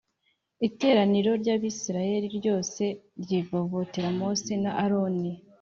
Iteraniro ry Abisirayeli ryose ryivovotera Mose na aroni